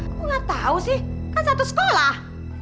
kok gak tahu sih kan satu sekolah